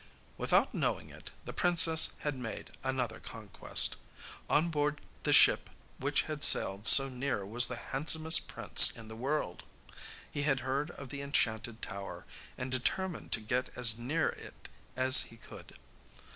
Without knowing it, the princess had made another conquest. On board the ship which had sailed so near was the handsomest prince in the world. He had heard of the enchanted tower, and determined to get as near it as he could.